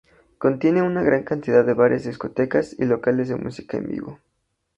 Contiene una gran cantidad de bares, discotecas y locales de música en vivo.